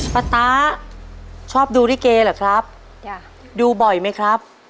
ประตาชอบดูริเก่หรือครับดูบ่อยไหมครับ